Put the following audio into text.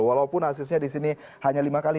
walaupun asisnya di sini hanya lima kali